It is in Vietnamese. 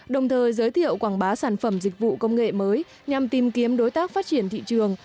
đồng thời giới thiệu quảng bá sản phẩm dịch vụ công nghệ mới nhằm tìm kiếm đối tác phát triển thị trường